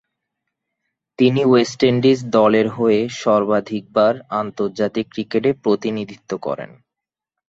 তিনি West Indies দলের হয়ে সর্বাধিকবার আন্তর্জাতিক ক্রিকেটে প্রতিনিধিত্ব করেন।